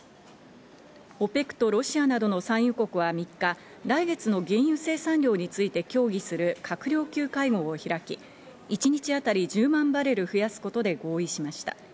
ＯＰＥＣとロシアなどの産油国は３日、来月の原油生産量について協議する閣僚級会合を開き、一日当たり１０万バレル増やすことで合意しました。